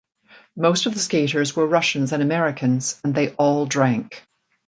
Most of the skaters were Russians and Americans, and they all drank.